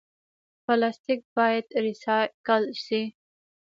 پلاستیک باید ریسایکل شي